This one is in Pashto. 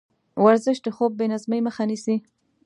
ورزش د خوب بېنظمۍ مخه نیسي.